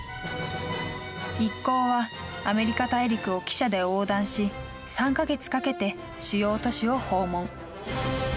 一行はアメリカ大陸を汽車で横断し３か月かけて主要都市を訪問。